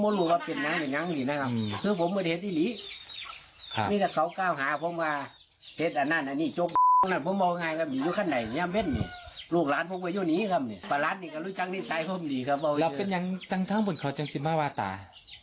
แล้วเป็นอย่างจังเท่าเหมือนของจังสิมภาวะตา